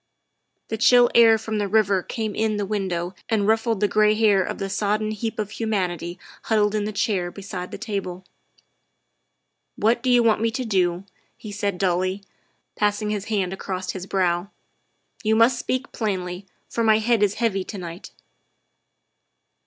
'' The chill air from the river came in the window and ruffled the gray hair of the sodden heap of humanity huddled in the chair beside the table. '' What do you want me to do ?" he said dully, passing his hand across his brow. '' You must speak plainly, for my head is heavy to night."